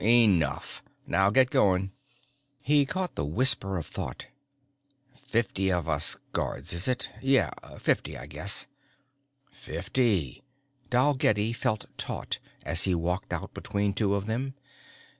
"Enough. Now get going!" He caught the whisper of thought fifty of us guards, is it? Yeah, fifty, I guess. Fifty! Dalgetty felt taut as he walked out between two of them.